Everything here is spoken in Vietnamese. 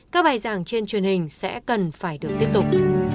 các bài giảng trên truyền hình sẽ cần phải được tiếp tục